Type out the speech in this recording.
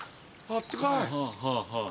あったかい！